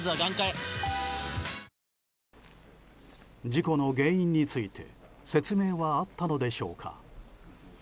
事故の原因について説明はあったのでしょうか。